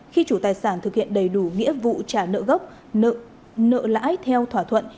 khi chủ tài sản thực hiện đầy đủ nghĩa vụ trả nợ gốc nợ lãi theo thỏa thuận